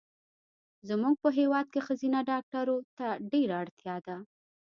زمونږ په هېواد کې ښځېنه ډاکټرو ته ډېره اړتیا ده